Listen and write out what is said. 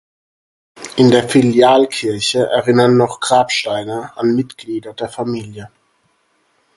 In der Filialkirche erinnern noch Grabsteine an Mitglieder der Familie.